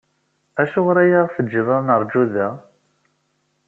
Acuɣer i aɣ-teǧǧiḍ ad neṛju da?